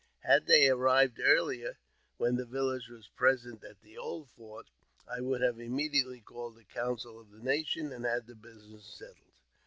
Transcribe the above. Had they arrived earlier, while the village was present at the old fort^ I would have immediately called a council of the nation, and had the business settled.